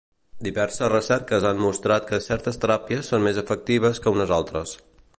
Diverses recerques han mostrat que certes teràpies són més efectives que unes altres.